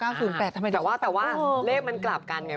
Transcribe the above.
อ้าว๙๐๘ทำไมไม่ได้แต่ว่าเลขมันกลับกันไง